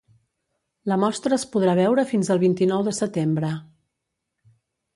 La mostra es podrà veure fins al vint-i-nou de setembre.